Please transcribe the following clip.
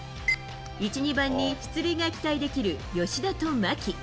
１、２番に出塁が期待できる吉田と牧。